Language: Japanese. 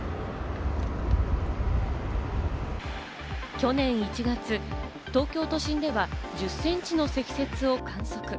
去年１月、東京都心では１０センチの積雪を観測。